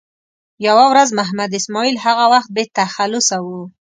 یوه ورځ محمد اسماعیل هغه وخت بې تخلصه و.